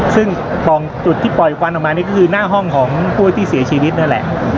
ซึ่งจุดที่ปล่อยควันออกมานี่ก็คือหน้าห้องของผู้ที่เสียชีวิตนั่นแหละ